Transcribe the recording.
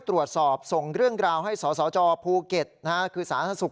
ตรวจสอบส่งเรื่องราวให้สสจภูเก็ตคือสาธารณสุข